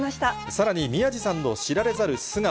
さらに、宮治さんの知られざる素顔。